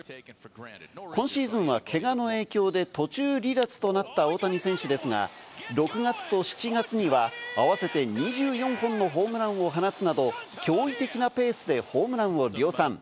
今シーズンはけがの影響で途中離脱となった大谷選手ですが、６月と７月には合わせて２４本のホームランを放つなど、驚異的なペースでホームランを量産。